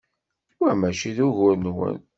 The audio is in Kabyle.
Wa mačči d ugur-nwen.